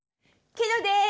ケロです！